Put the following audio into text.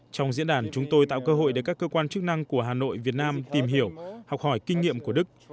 trong diễn đàn chúng tôi tạo cơ hội để các cơ quan chức năng của hà nội việt nam tìm hiểu học hỏi kinh nghiệm của đức